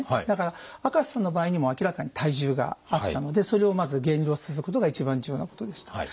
だから赤瀬さんの場合にはもう明らかに体重があったのでそれをまず減量させることが一番重要なことでした。